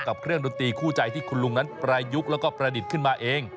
เครื่องดนตรีคู่ใจที่คุณลุงนั้นประยุกต์แล้วก็ประดิษฐ์ขึ้นมาเอง